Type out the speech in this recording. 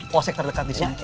prosek terdekat disini